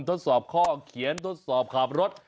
ทดสอบข้อเขียนทดสอบขับรถ